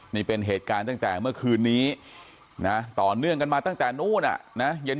นี่เป็นเหตุการณ์ตั้งแต่เมื่อคืนนี้นะต่อเนื่องกันมาตั้งแต่นู้นอ่ะนะเย็น